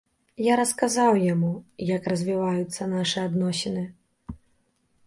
Я расказаў яму, як развіваюцца нашы адносіны.